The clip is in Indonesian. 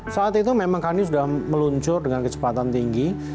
saat itu memang kani sudah meluncur dengan kecepatan tinggi